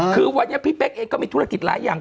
คือวันนี้พี่เป๊กเองก็มีธุรกิจหลายอย่าง